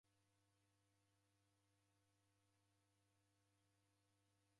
Nguku yajighwa ni koshi